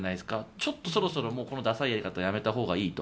ちょっとこのダサいやり方はやめたほうがいいと。